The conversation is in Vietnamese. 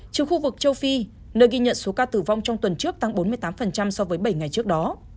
trừ khu vực châu phi nơi ghi nhận số ca tử vong trong tuần trước tăng bốn mươi tám so với bảy ngày trước đó